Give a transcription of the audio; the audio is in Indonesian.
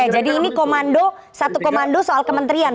jadi ini komando satu komando soal kementerian